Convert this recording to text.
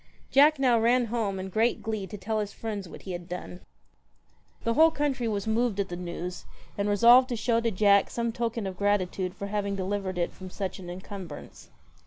Jack now ran home in great glee to tell his friends what he had done. The whole country was moved at the news, and resolved to show to Jack some token of gratitude for having delivered it from such an encumbrance.